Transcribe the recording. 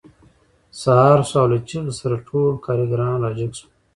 سهار شو او له چیغې سره ټول کارګران راجګ شول